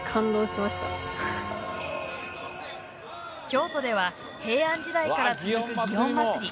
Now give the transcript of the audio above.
京都では平安時代から続く祇園祭。